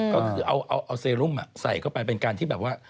ก็คือเอาเซรุมใส่เข้าไปเป็นการที่แบบว่า